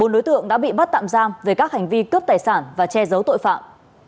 bốn đối tượng đã bị bắt tạm giam về các hành vi cướp tài sản và che giấu tội phạm